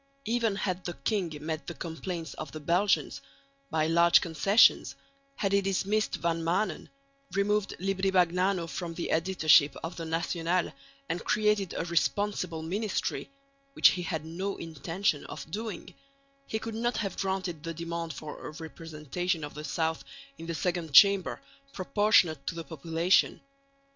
Even had the king met the complaints of the Belgians by large concessions, had he dismissed Van Maanen, removed Libri Bagnano from the editorship of the National, and created a responsible ministry which he had no intention of doing he could not have granted the demand for a representation of the south in the Second Chamber proportionate to the population.